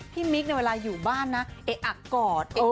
พี่มิ๊กในเวลาอยู่บ้านนะไอ้อักกอดไอ้อักกอด